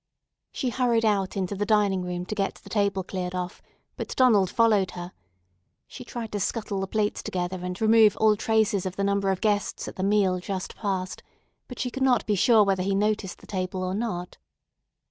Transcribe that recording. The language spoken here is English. She hurried out into the dining room to get the table cleared off, but Donald followed her. She tried to scuttle the plates together and remove all traces of the number of guests at the meal just past, but she could not be sure whether he noticed the table or not.